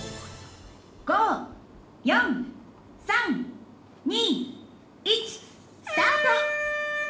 「５４３２１スタート！」。